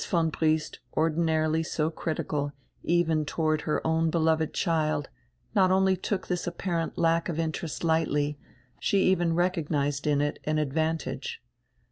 von Briest, ordinarily so critical, even toward her own beloved child, not only took diis apparent lack of interest lightiy, she even recognized in it an advantage.